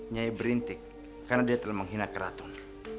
nyai berintik karena dia telah menghina keraton